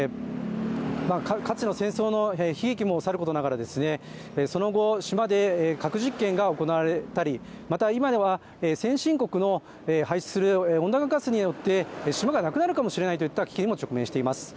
かつての戦争の悲劇もさることながら、その後、島で核実験が行われたり、また今では先進国の排出する温暖ガスによって島がなくなるかもしれないといった危機にも直面しています。